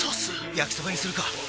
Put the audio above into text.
焼きそばにするか！